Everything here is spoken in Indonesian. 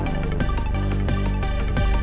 baru lagi sebarkan barkan generation